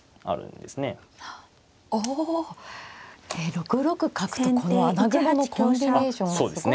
６六角とこの穴熊のコンビネーションはすごいですね。